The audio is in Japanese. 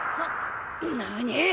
何！？